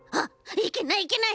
いけないいけない！